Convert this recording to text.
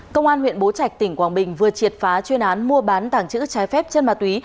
công an huyện bố trạch tỉnh quảng bình vừa triệt phá chuyên án mua bán tảng chữ trái phép chân ma túy